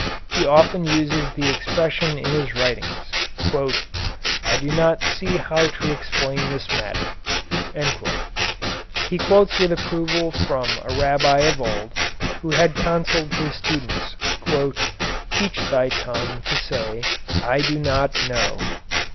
He often uses the expression in his writings, "I do not see how to explain this matter." He quotes with approval from a Rabbi of old who had counselled his students, "teach thy tongue to say, I do not know."